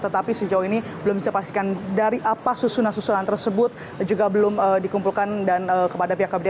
tetapi sejauh ini belum dicepastikan dari apa susunan susunan tersebut juga belum dikumpulkan dan kepada pihak kbri